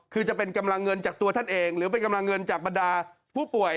คือจะเป็นกำลังเงินจากตัวท่านเองหรือเป็นกำลังเงินจากบรรดาผู้ป่วย